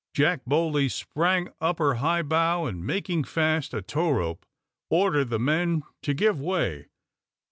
Jack boldly sprang up her high bow, and making fast a tow rope, ordered the men to give way.